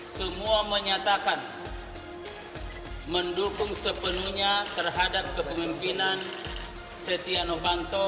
semua menyatakan mendukung sepenuhnya terhadap kepemimpinan setia novanto